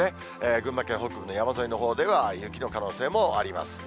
群馬県北部の山沿いのほうでは雪の可能性もあります。